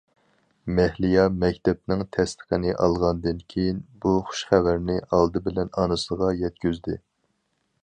مەھلىيا مەكتەپنىڭ تەستىقىنى ئالغاندىن كېيىن، بۇ خۇش خەۋەرنى ئالدى بىلەن ئانىسىغا يەتكۈزدى.